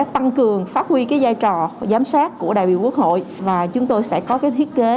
tăng cường phát huy giai trò giám sát của đại biểu quốc hội và chúng tôi sẽ có thiết kế